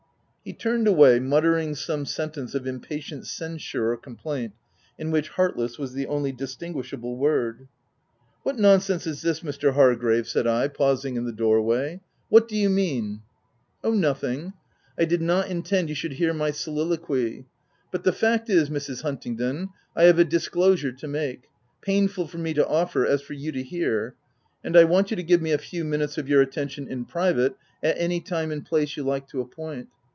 He turned away, muttering some sentence of impatient censure or complaint, in which " heartless H was the only distinguishable word. "What nonsense is this Mr. Hargrave?^ 270 THE TENANT said I, pausing in the doorway. "What do you mean?" " Oh, nothing — I did not intend you should hear my soliloquy. But the fact is, Mrs. Huntingdon, I have a disclosure to make — painful for me to offer as for you to hear— and I want you to give me a few minutes of your attention in private, at any time and place you like to appoint.